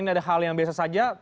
ini ada hal yang biasa saja